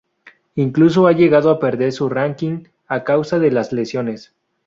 Incluso ha llegado a perder su ranking a causa de las lesiones.